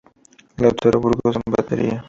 Lautaro Burgos en batería.